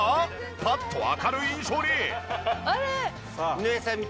パッと明るい印象に！